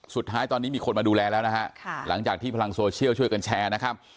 สุดท้ายตอนนี้มีคนมาดูแลแล้วนะฮะหลังจากที่พลังโซเชียลช่วยกันแชร์นะครับ